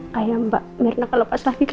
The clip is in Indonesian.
kayak mbak mirna kalau pas lagi kan